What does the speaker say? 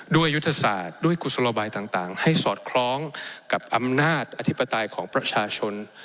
ยุทธศาสตร์ด้วยกุศลบายต่างให้สอดคล้องกับอำนาจอธิปไตยของประชาชน